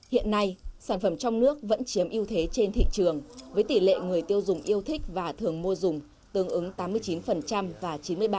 hiện nay sản phẩm trong nước vẫn chiếm ưu thế trên thị trường với tỷ lệ người tiêu dùng yêu thích và thường mua dùng tương ứng tám mươi chín và chín mươi ba